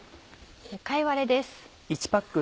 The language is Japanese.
貝割れです。